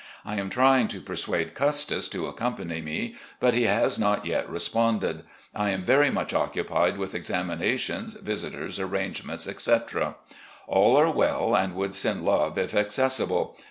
I am trying to persuade Custis to accom pany me, but he has not yet responded. I am very much occupied with examinations, visitors, arrange ments, etc. "All are well, and would send love if accessible.